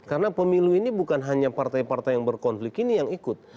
karena pemilu ini bukan hanya partai partai yang berkonflik ini yang ikut